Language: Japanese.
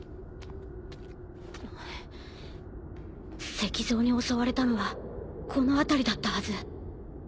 石像に襲われたのはこの辺りだったはず。